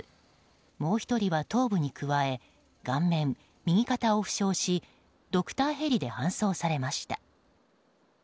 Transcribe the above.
もう１人は頭部に加え顔面、右肩を負傷しドクターヘリで搬送されました。